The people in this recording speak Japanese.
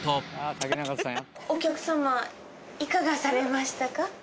お客さまいかがされましたか？